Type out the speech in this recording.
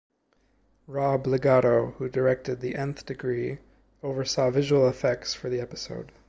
Rob Legato, who directed "The Nth Degree", oversaw visual effects for the episode.